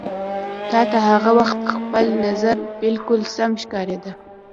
تا ته هغه وخت خپل نظر بالکل سم ښکارېده.